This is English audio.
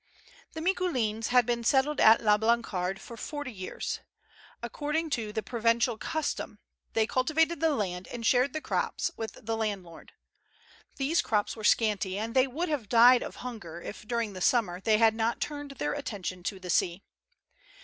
The Micoulins had been settled at La Blancarde for forty years. According to the Provencal custom, they cultivated the land and shared the crops mth the land lord. These crops were scanty, and they would have died of hunger if, during the summer, they had not turned their attention to the sea.